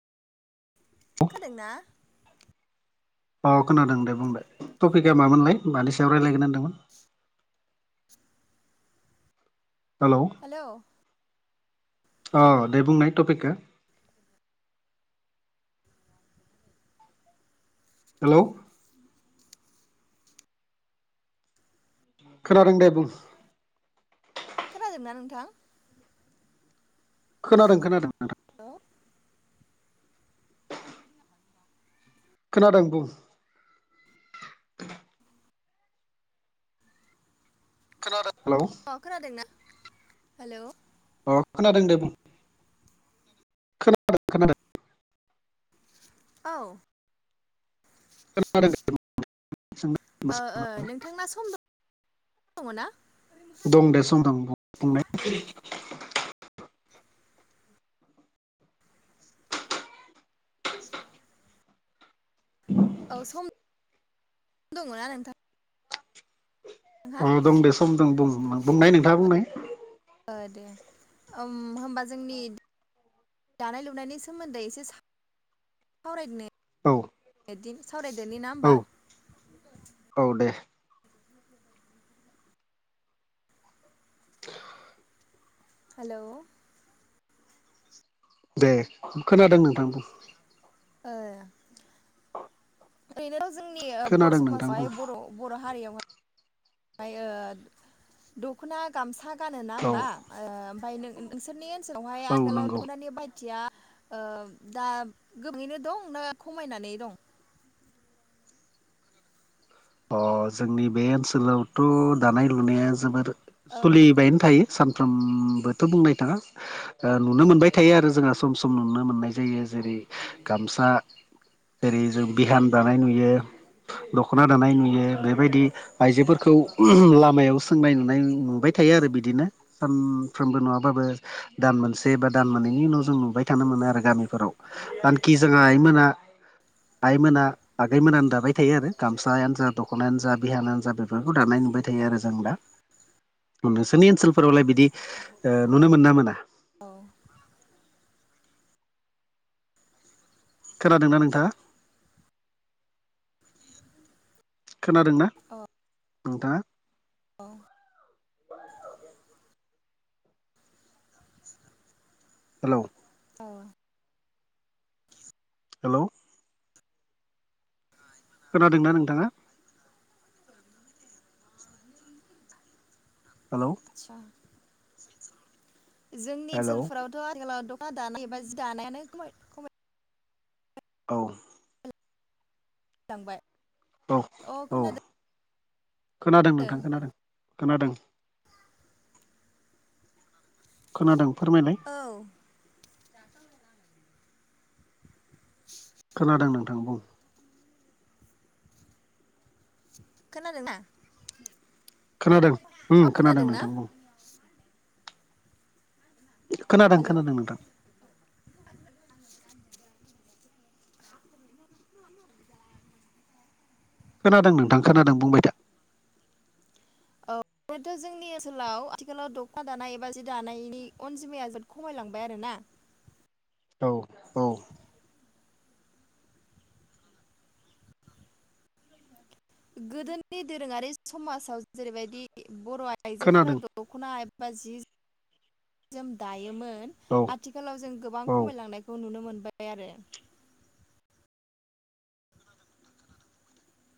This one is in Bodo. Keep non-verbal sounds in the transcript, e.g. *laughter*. खोनादोंना? अ खोनादों दे बुंलाय टपिकआ मामोनलाय मानि सायाव रायलायगोन होन्दोंमोन। हेलौ हेलौ अ दे बुंनाय टपिकखौ हेलौ खोनादों दे बुं खोनादोंना नोंथां? खोनादों खोनादों नोंथां खोनादों बुं खोनादों हेलौ अ खोनादोंना हेलौ अ खोनादों दे बुं खोनादों खोनादों औ खोनादों दे बुंनाय *unintelligible* ओ ओ नोंथांना सम दङ दङ ना? दं दे सम दं बुं-बुंनाय *inaudible* औ सम दङना नोंथां? अ दं दे सम दं बुं बुंनाय नोंथाङा बुंनाय ओ दे ओम होमबा जोंनि दानाय लुनायनि सोमोन्दै एसे सावरायदोनि औ बेदिन सावरायदोनि ना औ होमबा। औ दे हेलौ दे खोनादों नोंथां बुं ओ ओरैनोथ‌' जोंनि ओ बर' खोनादों नोंथां बुं समाजावहाय ओ बर' बर' हारियावहाय ओमफ्राय ओ दख'ना गामसा गानो ना औ होमबा ओ ओमफ्राय नो-नोंसोरनि ओनसोलावहाय‌ औ आथिलाव नंगौ दख'नानि बाहायथिया ओ दा गोबाङैनो दं ना खमायनानै दं? अ जोंनि बे ओनसोलावथ' दानाय लुनाया जोबोर सलिबायानो थायो। सानफ्रोमबोथ' बुंनाय थाङा ओ नुनो मोनबाय थायो आरो जोंहा सम सम नुनो मोननाय जायो जेरै गामसा जेरै जों बिहान दानाय नुयो दख'ना दानाय नुयो बेबायदि आइजोफोरखौ लामायाव सोंनाय नुनाय नुबाय थायो आरो बिदिनो। सानफ्रोमबो नङाबाबो दान मोनसे बा दान मोननैनि उनाव जों नुबाय थानो मोनो आरो गामिफोराव। आनखि जोंहा आइमोना आइमोना आगै मोनहानो दाबायथायो आरो गामसा यानो जा दख'नायानो जा बिहानानो जा बेफोरखौ दानाय नुबाय थायो आरो जों दा। उम नोंसोरनि ओनसोलफोरावलाय बिदि ओ नुनो मोना मोना? औ खोनादोंना नोंथाङा? खोनादोंना औ नोंथाङा? औ हेलौ औ हेलौ खोनादों ना नोंथाङा? *inaudible* हेल' सा *unintelligible* जोंनि हेलौ ओनसोलफोरावथ' आथिखालाव दखान दानाय एबा जि दानायानो खमाय खमाय औ खमायलांबाय *unintelligible* औ अ औ खोनादों खोनादों नोंथां खोनादों खोनादों खोनादों फोरमायलाय औ *unintelligible* खोनादों नोंथां बुं खोनादों ना खोनादों उम खोनादों नोंथां बुं। खोनादों हेलौ खोनादों नोंथां। *inaudible* *inaudible* खोनादों नोंथां खोनादों बुंबाय था। बोथ' जोंनि ओनसोलाव आथिखालाव द'खना दानाय एबा जि दानायनि अनजिमाया जोबोद खमायलांबाय आरो ना। औ औ गोदोनि दोरोङारि समाजाव जेरैबायदि बर' आयजोफोरा खोनादों दख दख'ना एबा जि *inaudible* जोम दायोमोन। औ आथिखालाव जों गोबां औ खमायलांनायखौ नुनो मोनबाय आरो।